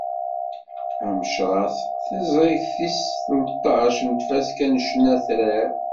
Amecras, taẓrigt tis tleṭṭac n tfaska n ccna atrar.